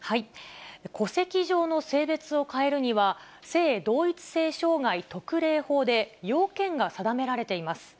戸籍上の性別を変えるには、性同一性障害特例法で要件が定められています。